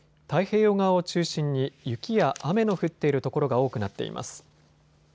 太平洋側を中心に雪や雨の降っている所が多くなっています。